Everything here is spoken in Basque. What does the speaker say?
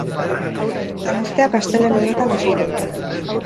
Lanuzteak astelehen honetan hasiko dira.